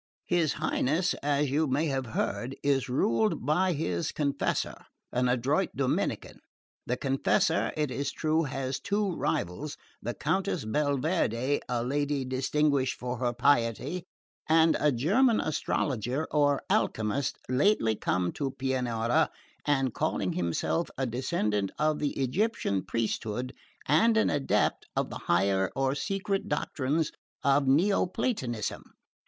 His Highness, as you may have heard, is ruled by his confessor, an adroit Dominican. The confessor, it is true, has two rivals, the Countess Belverde, a lady distinguished for her piety, and a German astrologer or alchemist, lately come to Pianura, and calling himself a descendant of the Egyptian priesthood and an adept of the higher or secret doctrines of Neoplatonism.